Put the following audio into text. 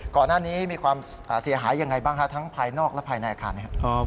ก่อนหน้านี้มีความเสียหายยังไงบ้างคะทั้งภายนอกและภายในอาคารนะครับ